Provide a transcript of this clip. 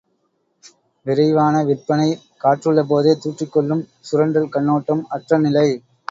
விரைவான விற்பனை, காற்றுள்ள போதே தூற்றிக் கொள்ளும் சுரண்டல் கண்ணோட்டம் அற்ற நிலை.